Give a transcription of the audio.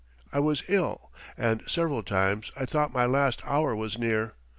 I was ill, and several times I thought my last hour was near....